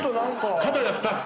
片やスタッフ。